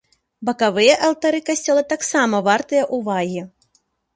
Бакавыя алтары касцёла таксам вартыя ўвагі.